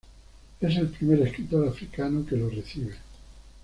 Es el primer escritor africano que lo recibe.